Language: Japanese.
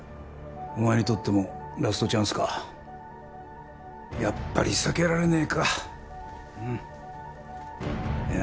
お前にとってもラストチャンスかやっぱり避けられねえかうんいや